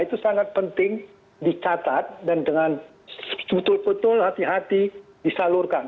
itu sangat penting dicatat dan dengan betul betul hati hati disalurkan